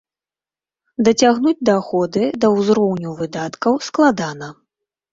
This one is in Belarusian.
Дацягнуць даходы да узроўню выдаткаў складана.